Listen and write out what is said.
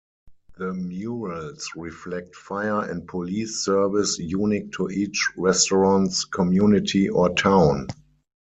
The murals reflect fire and police service unique to each restaurant's community or town.